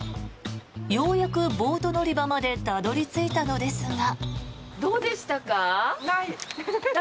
ようやくボート乗り場までたどり着いたのですが。